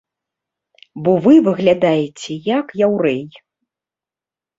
Бо вы выглядаеце як яўрэй!